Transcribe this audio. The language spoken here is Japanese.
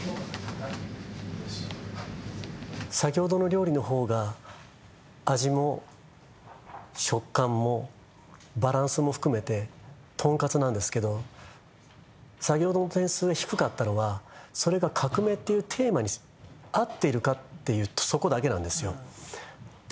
先ほどの料理のほうが味も食感もバランスも含めてとんかつなんですけど先ほどの点数低かったのはそれが革命っていうテーマに合っているかっていうとそこだけなんですよで